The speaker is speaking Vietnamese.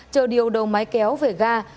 chờ điều đầu máy kéo về ga